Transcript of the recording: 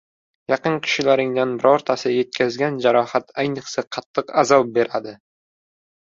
Yaqin kishilaringdan birortasi yetkazgan jarohat ayniqsa qattiq azob beradi.